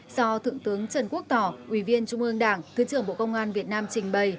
do thượng tướng trần quốc tỏ ủy viên trung ương đảng thứ trưởng bộ công an việt nam trình bày